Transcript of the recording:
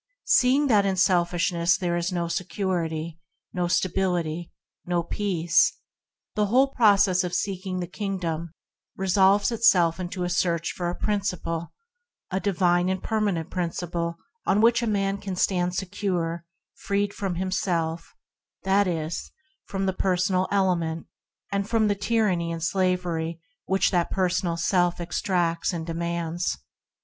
Seeing that in selfishness there is no security, no stability, no peace, the whole process of 42 ENTERING THE KINGDOM seeking the Kingdom resolves itself into a search for a Principle: a divine and perma nent Principle on which a man can stand secure, freed from himself — from the personal element, and from the tyranny and slavery which that personal self exacts and demands.